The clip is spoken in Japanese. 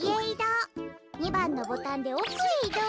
２ばんのボタンでおくへいどうです。